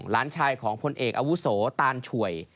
หลานชายของพลเอกอาวุโสตานช่วย